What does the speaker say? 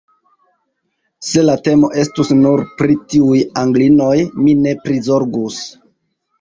Se la temo estus nur pri tiuj Anglinoj, mi ne prizorgus.